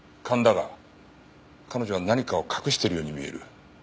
勘だが彼女は何かを隠してるように見える。